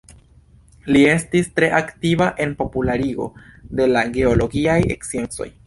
Li estis tre aktiva en popularigo de la geologiaj sciencoj.